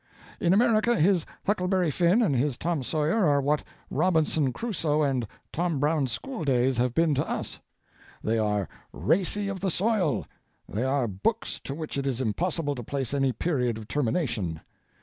In America his 'Huckleberry Finn' and his 'Tom Sawyer' are what 'Robinson Crusoe' and 'Tom Brown's School Days' have been to us. They are racy of the soil. They are books to which it is impossible to place any period of termination.